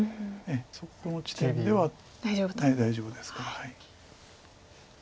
そこの地点では大丈夫ですから。